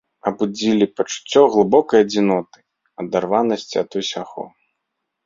Абудзілі пачуццё глыбокай адзіноты, адарванасці ад усяго.